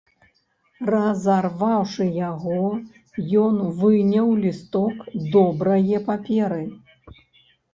Разарваўшы яго, ён выняў лісток добрае паперы.